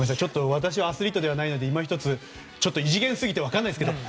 私はアスリートじゃないのでいまひとつちょっと異次元すぎて分からないんですけど